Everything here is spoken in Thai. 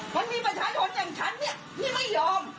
มันมีประชาชนอย่างฉันเนี่ยที่ไม่ยอม